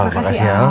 terima kasih ya